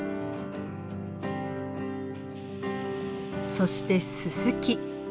そしてススキ。